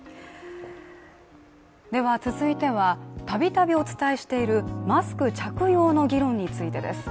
続いては、たびたびお伝えしているマスク着用の議論についてです。